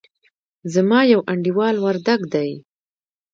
زما يو انډيوال وردګ دئ.